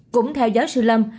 cũng theo giáo sư lâm